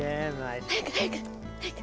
早く早く！早く。